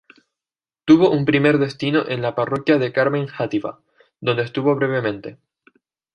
Tuvo un primer destino en la parroquia del Carmen Játiva, donde estuvo brevemente.